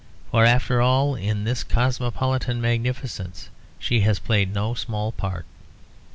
For, after all, in this cosmopolitan magnificence, she has played no small part.